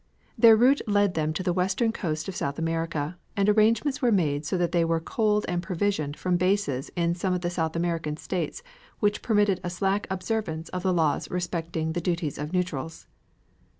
Their route led them to the western coast of South America, and arrangements were made so that they were coaled and provisioned from bases in some of the South American states which permitted a slack observance of the laws respecting the duties of neutrals.